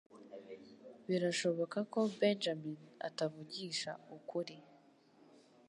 Birashoboka ko Benjamin atavugisha ukuri.